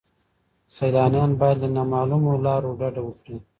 سیلانیان باید له نامعلومو لارو ډډه وکړي.